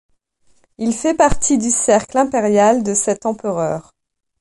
Il fait partie du cercle impérial de cet empereur.